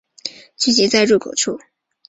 聚集在入口处